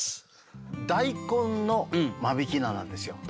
大根の間引菜なんですよ。